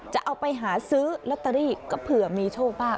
จะเอาไปหาซื้อลอตเตอรี่ก็เผื่อมีโชคบ้าง